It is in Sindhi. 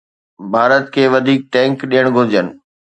ڀارت کي وڌيڪ ٽينڪ ڏيڻ گهرجن.